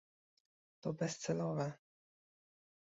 To bezcelowe